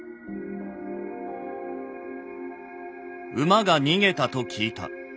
「馬が逃げたと聞いた。